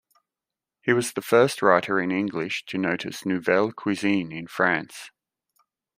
He was the first writer in English to notice nouvelle cuisine in France.